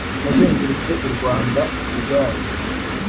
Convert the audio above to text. Nazengurutse u Rwanda kwigare